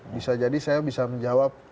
bisa jadi saya bisa menjawab